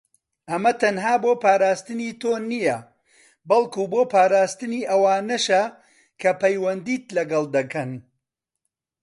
ئەمە تەنها بۆ پاراستنی تۆ نیە، بەڵکو بۆ پاراستنی ئەوانەشە کە پیوەندیت لەگەڵ دەکەن.